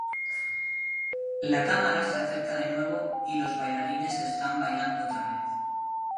La cámara se acerca de nuevo y los bailarines están bailando otra vez.